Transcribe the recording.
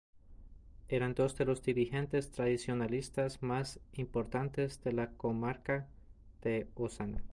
Eran dos de los dirigentes tradicionalistas más importantes de la comarca de Osona.